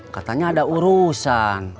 katanya ada urusan